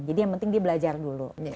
jadi yang penting dia belajar dulu